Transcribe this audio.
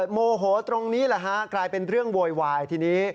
โมโหตรงนี้แหละฮะกลายเป็นเรื่องโวยวายทีนี้